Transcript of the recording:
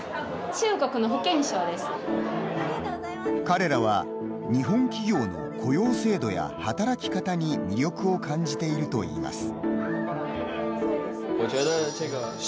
彼らは日本企業の雇用制度や働き方に魅力を感じているといいます。